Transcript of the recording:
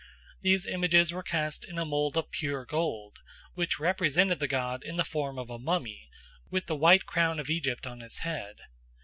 These images were cast in a mould of pure gold, which represented the god in the form of a mummy, with the white crown of Egypt on his head.